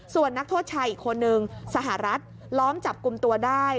ส่วนนักโทษชายอีกคนนึงสหรัฐล้อมจับกลุ่มตัวได้